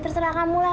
terserah kamu lah